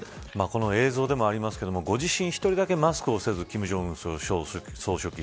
この映像でもありますけれどもご自身一人だけマスクをせず金正恩総書記。